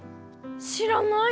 知らない。